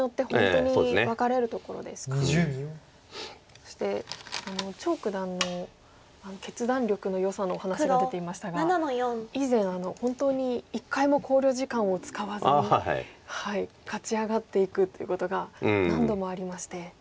そして張九段の決断力のよさの話が出ていましたが以前本当に一回も考慮時間を使わずに勝ち上がっていくということが何度もありまして。